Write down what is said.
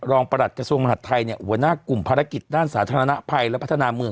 รองประหลัดกระทธิวิตมหัทไทยหัวหน้ากลุ่มภารกิจด้านสาธารณะไพรและพัฒนาเมือง